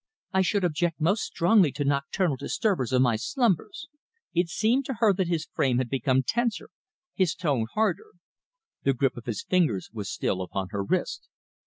"I should object most strongly to nocturnal disturbers of my slumbers!" It seemed to her that his frame had become tenser, his tone harder. The grip of his fingers was still upon her wrist.